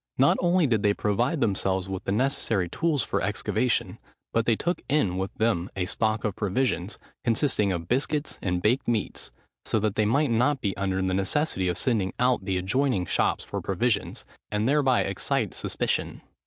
Not only did they provide themselves with the necessary tools for excavation, but they took in with them a stock of provisions, consisting of biscuits and baked meats, so that they might not be under the necessity of sending out to the adjoining shops for provisions, and thereby excite suspicion.